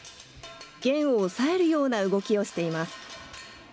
弦を押さえるような動きをしています。